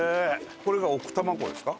これが奥多摩湖ですか？